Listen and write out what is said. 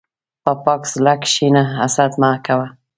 په پاک زړه کښېنه، حسد مه کوه.